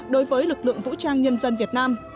đối với lực lượng vũ trang nhân dân việt nam